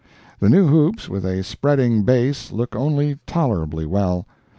The new hoops with a spreading base look only tolerably well.